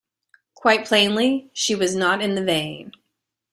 Quite plainly, she was not in the vein.